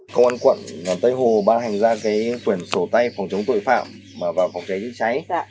công an quận tây hồ ban hành ra quyển sổ tay phòng chống tội phạm vào phòng cháy chữa cháy